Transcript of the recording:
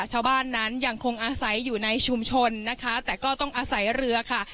ชาวบ้านนั้นยังคงอาศัยอยู่ในชุมชนนะคะแต่ก็ต้องอาศัยเรือค่ะ